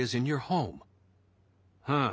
はあ。